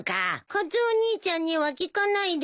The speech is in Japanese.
カツオ兄ちゃんには聞かないです。